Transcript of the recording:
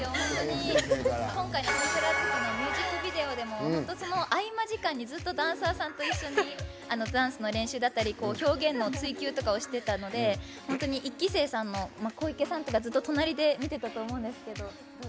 今回のミュージックビデオでも合間時間にダンサーさんと一緒にダンスの練習だったり表現の追求とかをしてたので本当に１期生さんの小池さんとか、ずっと隣で見てたと思うんですけど。